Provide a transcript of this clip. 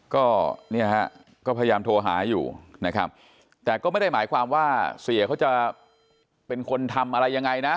ก็เนี่ยฮะก็พยายามโทรหาอยู่นะครับแต่ก็ไม่ได้หมายความว่าเสียเขาจะเป็นคนทำอะไรยังไงนะ